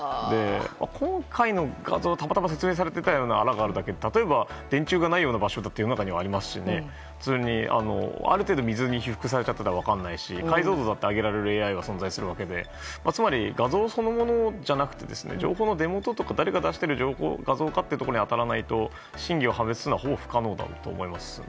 今回の画像はたまたま説明されていたようなあらがあるだけで電柱がないような場所も世の中にありますしある程度、水に被覆されちゃっていたら分からないし、解像度を上げられるＡＩも存在するしつまり、画像そのものじゃなくて情報の出元とか誰が出している画像かというところに当てないと真偽を判別するのはほぼ不可能だと思います。